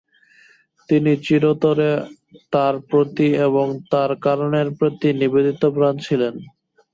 তিনি চিরতরে তার প্রতি এবং তার কারণের প্রতি নিবেদিত প্রাণ ছিলেন।